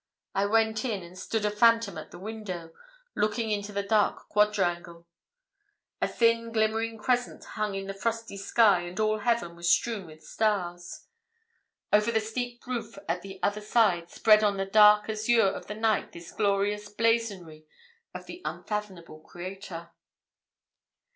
I went in, and stood a phantom at the window, looking into the dark quadrangle. A thin glimmering crescent hung in the frosty sky, and all heaven was strewn with stars. Over the steep roof at the other side spread on the dark azure of the night this glorious blazonry of the unfathomable Creator.